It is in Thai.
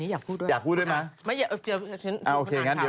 อยากพูดด้วยไหม